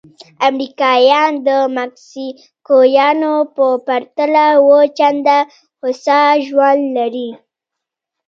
امریکایان د مکسیکویانو په پرتله اووه چنده هوسا ژوند لري.